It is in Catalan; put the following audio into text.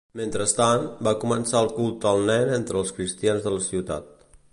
Mentrestant, va començar el culte al nen entre els cristians de la ciutat.